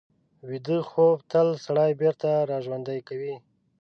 ویده خوب تل سړی بېرته راژوندي کوي